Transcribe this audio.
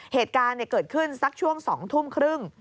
เหตุการณ์เกิดขึ้นสักช่วง๒ทุ่มครึ่ง